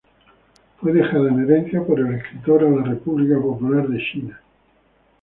Fue dejada en herencia por el escritor a la República Popular de China.